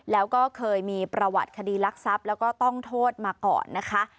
แล้วก็เคยมีประวัติคดีรักทรัพย์แล้วก็ต้องโทษมาก่อนนะคะ